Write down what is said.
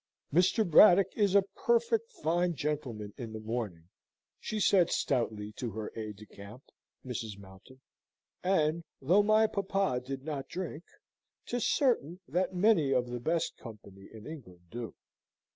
"Mr. Braddock is a perfect fine gentleman in the morning," she said stoutly to her aide de camp, Mrs. Mountain; "and though my papa did not drink, 'tis certain that many of the best company in England do."